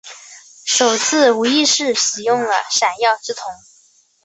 首次无意识使用闪耀之瞳。